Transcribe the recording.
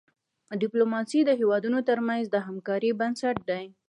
ډيپلوماسي د هیوادونو ترمنځ د همکاری بنسټ دی.